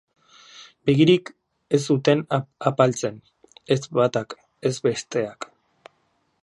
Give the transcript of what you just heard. Begirik ez zuten apaltzen, ez batak ez besteak.